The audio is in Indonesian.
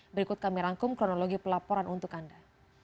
berikut kami rangkum kronologi pelaporan untuk anda